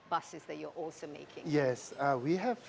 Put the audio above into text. membuat ya kami memiliki